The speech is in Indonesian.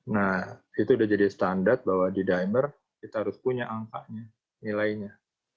nah itu sudah jadi standar bahwa di dimer kita harus punya angkanya nilainya